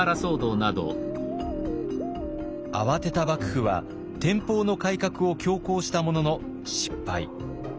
慌てた幕府は天保の改革を強行したものの失敗。